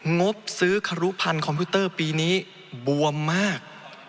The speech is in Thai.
งบซื้อครุพันธ์คอมพิวเตอร์ปีนี้บวมมาก